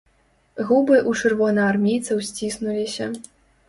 Губы ў чырвонаармейцаў сціснуліся.